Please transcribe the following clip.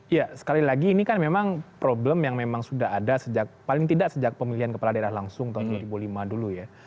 ya sekali lagi ini kan memang problem yang memang sudah ada sejak paling tidak sejak pemilihan kepala daerah langsung tahun dua ribu lima dulu ya